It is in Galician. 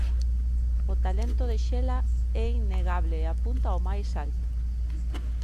O talento de Xela é innegable e apunta ao máis alto.